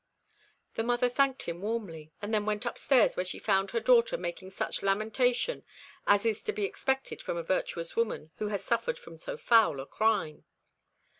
The mother thanked him warmly and then went upstairs, where she found her daughter making such lamentation as is to be expected from a virtuous woman who has suffered from so foul a crime.